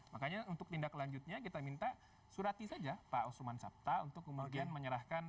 makanya untuk tindak lanjutnya kita minta surati saja pak osoman sabta untuk kemudian menyerahkan